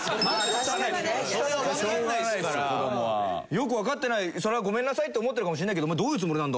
しょうがないですよ子どもは。よくわかってないそれはごめんなさいって思ってるかもしれないけどどういうつもりなんだ？